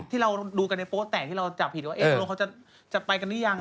ที่เราดูกันในโป๊แตกที่เราจับผิดว่าตกลงเขาจะไปกันหรือยัง